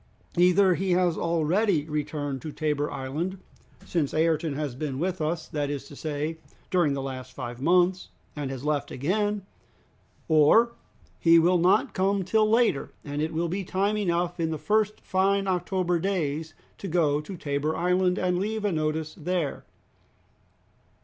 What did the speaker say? Either he has already returned to Tabor Island, since Ayrton has been with us, that is to say, during the last five months and has left again; or he will not come till later, and it will be time enough in the first fine October days to go to Tabor Island, and leave a notice there."